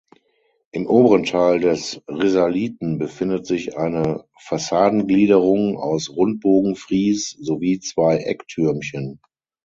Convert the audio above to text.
Im oberen Teil des Risaliten befindet sich eine Fassadengliederung aus Rundbogenfries sowie zwei Ecktürmchen.